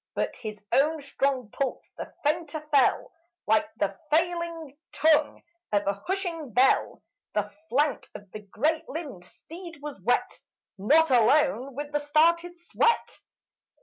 But his own strong pulse the fainter fell, Like the failing tongue of a hushing bell. The flank of the great limbed steed was wet Not alone with the started sweat.